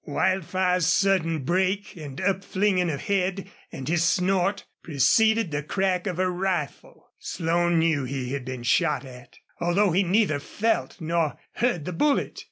Wildfire's sudden break and upflinging of head and his snort preceded the crack of a rifle. Slone knew he had been shot at, although he neither felt nor heard the bullet.